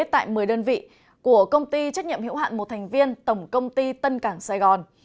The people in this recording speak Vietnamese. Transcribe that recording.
tại một mươi đơn vị của công ty trách nhiệm hữu hạn một thành viên tổng công ty tân cảng sài gòn